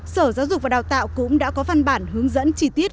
sở giáo dục và đào tạo cũng đã có văn bản hướng dẫn chi tiết